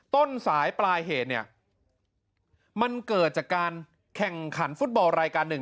ต้นสายปลายเหตุเนี่ยมันเกิดจากการแข่งขันฟุตบอลรายการหนึ่ง